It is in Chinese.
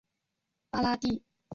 拉巴蒂。